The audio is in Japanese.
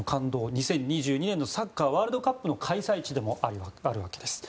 ２０２２年のサッカーワールドカップの開催地でもあるわけです。